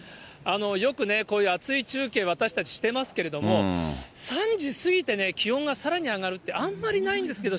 よくね、こういう暑い中継、私たちしてますけど、３時過ぎてね、気温がさらに上がるってあんまりないんですけど。